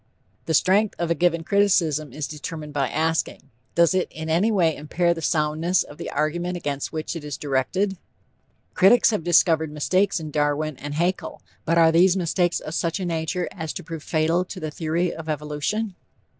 The strength of a given criticism is determined by asking: Does it in any way impair the soundness of the argument against which it is directed? Critics have discovered mistakes in Darwin and Haeckel, but are these mistakes of such a nature as to prove fatal to the theory of evolution?